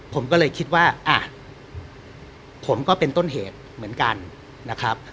ผมก็เลยคิดว่าอ่ะผมก็เป็นต้นเหตุเหมือนกันนะครับ